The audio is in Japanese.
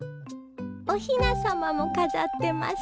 おひなさまも飾ってます。